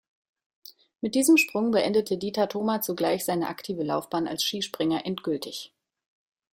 Mit diesem Sprung beendete Dieter Thoma zugleich seine aktive Laufbahn als Skispringer endgültig.